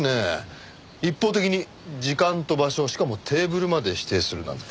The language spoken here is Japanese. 一方的に時間と場所しかもテーブルまで指定するなんて。